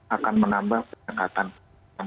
akan menambah penyekatan